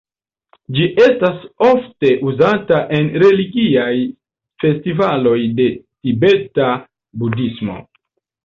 Ĝi estas ofte uzata en religiaj festivaloj de Tibeta budhismo.